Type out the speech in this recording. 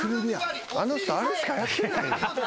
あの人あれしかやってない。